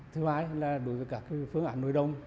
thứ hai là đối với các phương án nối đông